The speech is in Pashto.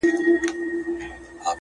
را سهید سوی؛ ساقي جانان دی؛